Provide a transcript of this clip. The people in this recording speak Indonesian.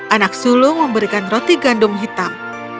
anak sulung memberikan roti gandum hitam